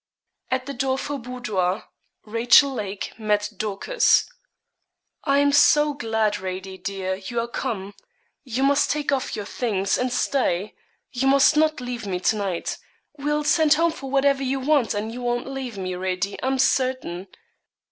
At the door of her boudoir, Rachel Lake met Dorcas. 'I am so glad, Radie, dear, you are come. You must take off your things, and stay. You must not leave me to night. We'll send home for whatever you want; and you won't leave me, Radie, I'm certain.'